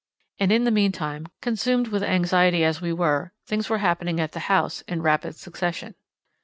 And in the meantime, consumed with anxiety as we were, things were happening at the house in rapid succession.